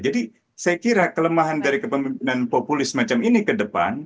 jadi saya kira kelemahan dari kepemimpinan populis semacam ini ke depan